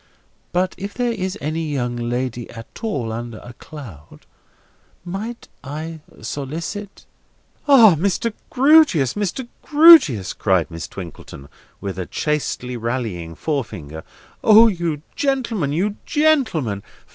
But if there is any young lady at all under a cloud, might I solicit—" "Ah, Mr. Grewgious, Mr. Grewgious!" cried Miss Twinkleton, with a chastely rallying forefinger. "O you gentlemen, you gentlemen!